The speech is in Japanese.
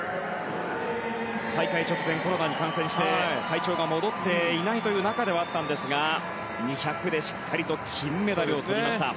大会直前、コロナに感染して体調が戻っていないという中ではありましたが２００で、しっかりと金メダルをとりました。